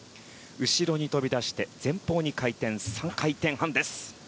後ろに飛び出して前方に回転、３回転半です。